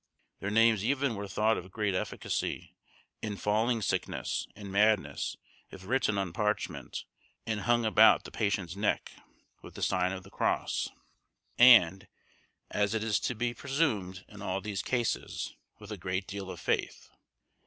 Their names even were thought of great efficacy in falling sickness and madness, if written on parchment, and hung about the patient's neck, with the sign of the cross; and, as it is to be presumed in all these cases, with a good deal of faith.